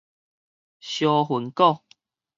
相份股